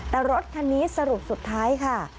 แต่รถคันนี้สรุปสุดท้ายค่ะ